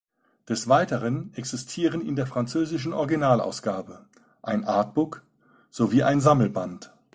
Des Weiteren existieren in der französischen Originalausgabe ein Artbook sowie ein Sammelband.